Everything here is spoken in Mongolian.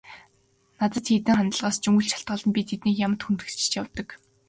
Надад хэрхэн ханддагаас нь үл шалтгаалан би тэднийг ямагт хүндэтгэж явдаг.